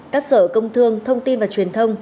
các sở công thương thông tin và truyền thông